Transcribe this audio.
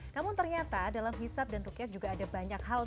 namun ternyata dalam hisab dan rukyat juga ada banyak hal